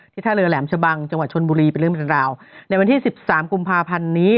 ท่าเรือแหลมชะบังจังหวัดชนบุรีเป็นเรื่องเป็นราวในวันที่สิบสามกุมภาพันธ์นี้